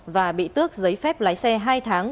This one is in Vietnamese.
và bị tước giấy phép lái xe hai tháng